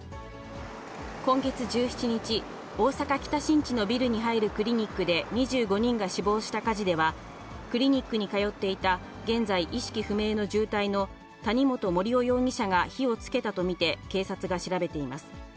今月１７日、大阪・北新地のビルに入るクリニックで、２５人が死亡した火事では、クリニックに通っていた現在、意識不明の重体の谷本盛雄容疑者が火をつけたと見て警察が調べています。